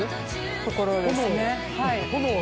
ところですね。